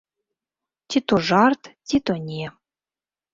Ці то жарт, ці то не.